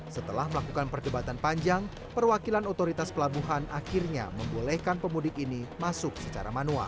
setelah melakukan perdebatan panjang perwakilan otoritas pelabuhan akhirnya membolehkan pemudik ini masuk secara manual